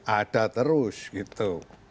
ada terus gitu